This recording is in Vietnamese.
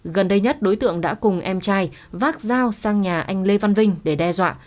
gần đây nhất đối tượng đã cùng em trai vác dao sang nhà anh lê văn vinh để đe dọa